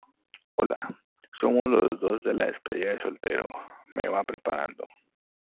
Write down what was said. hola, somos los de la despedida de soltero. me va preparando